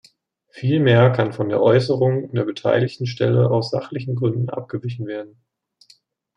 Vielmehr kann von der Äußerung der beteiligten Stelle aus sachlichen Gründen abgewichen werden.